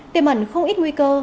tiềm ẩn không ít nguy cơ